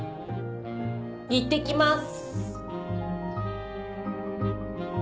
いってきます。